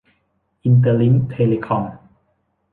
อินเตอร์ลิ้งค์ เทเลคอม